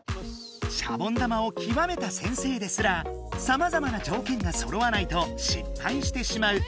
シャボン玉を極めた先生ですらさまざまなじょうけんがそろわないと失敗してしまう